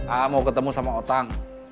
aa mau ketemu sama otang